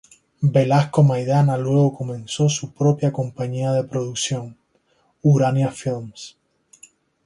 Velasco Maidana luego comenzó su propia compañía de producción, Urania Films.